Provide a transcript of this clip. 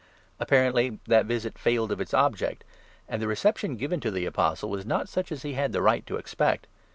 Apparently that visit failed of its object, and the reception given to the Apostle was not such as he had the right to expect.